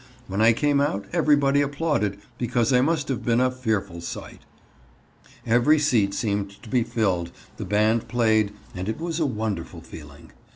When I came out everybody applauded because I must have been a fearful sight. Every seat seemed to be filled, the band played, and it was a wonderful feeling.